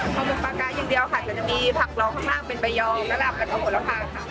ฮอมกปลากลายอย่างเดียวค่ะมีผักรองข้างเป็นปลายองกระลำเผ่าหัวมัวทาง